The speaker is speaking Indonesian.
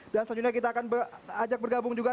dan selanjutnya kita akan ajak bergabung juga